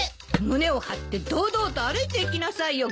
胸を張って堂々と歩いていきなさいよ。